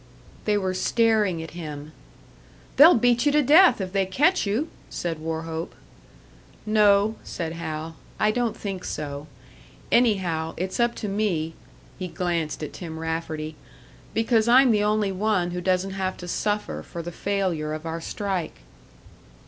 They were staring at him. "They'll beat you to death if they catch you!" said Wauchope. "No," said Hal, "I don't think so. Anyhow, it's up to me" he glanced at Tim Rafferty "because I'm the only one who doesn't have to suffer for the failure of our strike."